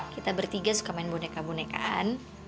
kita bertiga suka main boneka bonekaan